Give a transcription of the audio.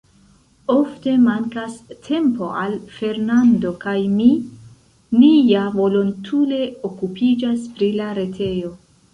Ofte mankas tempo al Fernando kaj mi; ni ja volontule okupiĝas pri la retejo.